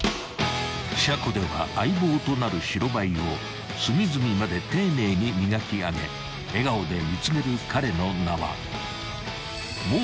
［車庫では相棒となる白バイを隅々まで丁寧に磨き上げ笑顔で見つめる彼の名は］